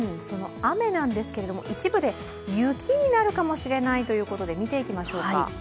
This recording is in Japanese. その雨なんですけれども一部で雪になるかもしれないということで見ていきましょうか。